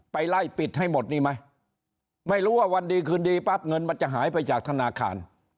ไปไล่ปิดให้หมดนี่ไหมไม่รู้ว่าวันดีคืนดีปั๊บเงินมันจะหายไปจากธนาคาร